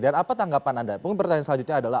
dan apa tanggapan anda mungkin pertanyaan selanjutnya adalah